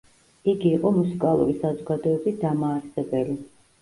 იგი იყო მუსიკალური საზოგადოების დამაარსებელი.